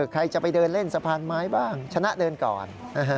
ใครจะไปเดินเล่นสะพานไม้บ้างชนะเดินก่อน